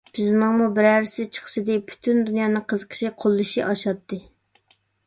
بىزنىڭمۇ بىرەرسى چىقسىدى، پۈتۈن دۇنيانىڭ قىزىقىشى، قوللىشى ئاشاتتى.